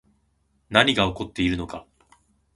何が起こっているのか